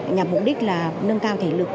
nhằm mục đích là nâng cao thể lực